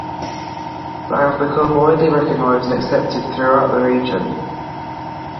They have become widely recognized and accepted throughout the region.